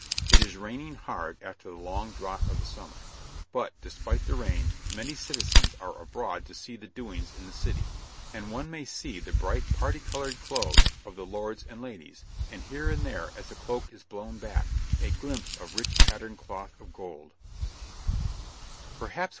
It is raining hard after the long drought of the summer, but, despite the rain, many citizens are abroad to see the doings in the City, and one may see the bright parti coloured clothes of the lords and ladies, and here and there, as a cloak is blown back, a glimpse of rich patterned cloth of gold.